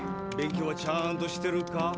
勉強はちゃんとしてるか？